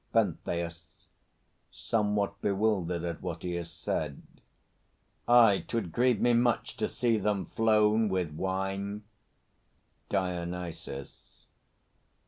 PENTHEUS (somewhat bewildered at what he has said). Aye; 'twould grieve me much To see them flown with wine. DIONYSUS.